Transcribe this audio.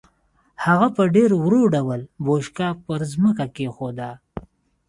هغه په ډېر ورو ډول بوشکه پر ځمکه کېښوده.